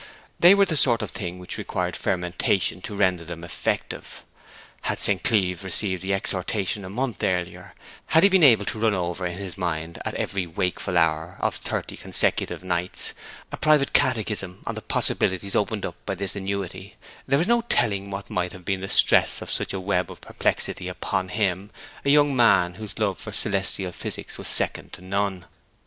They were the sort of thing which required fermentation to render them effective. Had St. Cleeve received the exhortation a month earlier; had he been able to run over in his mind, at every wakeful hour of thirty consecutive nights, a private catechism on the possibilities opened up by this annuity, there is no telling what might have been the stress of such a web of perplexity upon him, a young man whose love for celestial physics was second to none.